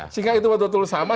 sehingga itu betul betul sama